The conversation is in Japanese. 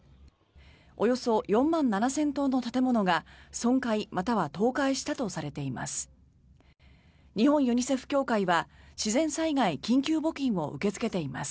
およそ４万７０００棟の建物が損壊または倒壊したとされています。